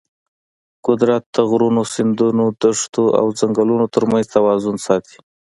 قدرت د غرونو، سیندونو، دښتو او ځنګلونو ترمنځ توازن ساتي.